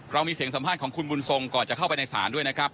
มีเสียงสัมภาษณ์ของคุณบุญทรงก่อนจะเข้าไปในศาลด้วยนะครับ